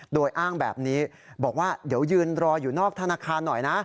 โดยอ้างแบบนี้บอกว่าเดี๋ยวยืนรออยู่นอกธนาคารหน่อยนะ